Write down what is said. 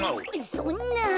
そんなぁ。